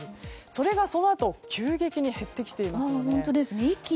それがそのあと急激に減ってきていますよね。